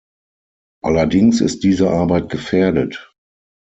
Allerdings ist diese Arbeit gefährdet.